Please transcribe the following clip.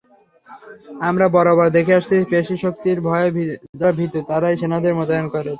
আমরা বরাবর দেখে আসছি পেশিশক্তির ভয়ে যাঁরা ভীত, তঁারাই সেনা মোতায়েন চান।